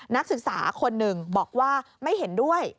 นักศึกษาคนหนึ่งบอกว่าไม่เห็นด้วย